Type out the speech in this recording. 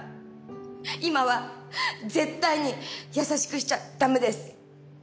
今は絶対に優しくしちゃ駄目です。